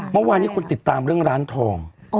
เมื่อวานนี้คนติดตามเรื่องร้านทอง